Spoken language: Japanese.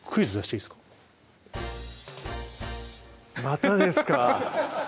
またですか？